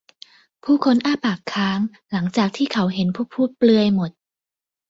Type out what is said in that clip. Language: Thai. ผู้คนอ้าปากค้างหลังจากที่เขาเห็นผู้พูดเปลือยหมด